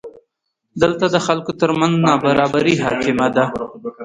دلته د خلکو ترمنځ نابرابري حاکمه ده.